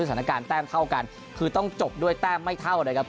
สถานการณ์แต้มเท่ากันคือต้องจบด้วยแต้มไม่เท่านะครับ